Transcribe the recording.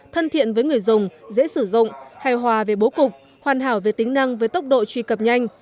thân thiện với người dùng dễ sử dụng hài hòa về bố cục hoàn hảo về tính năng với tốc độ truy cập nhanh